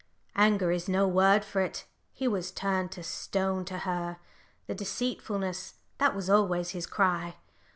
"Anger is no word for it. He was turned to stone to her. The deceitfulness that was always his cry.